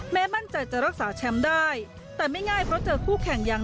มั่นใจจะรักษาแชมป์ได้แต่ไม่ง่ายเพราะเจอคู่แข่งอย่าง